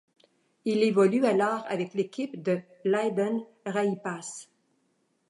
Il évolue alors avec l'équipe de Lahden Reipas.